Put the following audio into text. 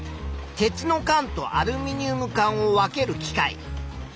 鉄の缶とアルミニウム缶を分ける機械。